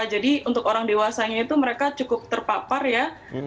jadi untuk orang dewasanya itu mereka cukup terpapar ya